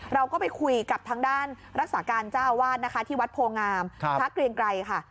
เราก็ไปคุยกับทางด้านรักษาการเจ้าอาวาสนะคะที่วัดโพงามพระเกรียงไกรค่ะ